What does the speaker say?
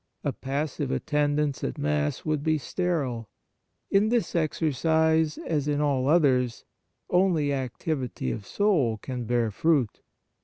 A passive attendance at Mass would be sterile ; in this exer cise, as in all others, only activity of soul can bear fruit.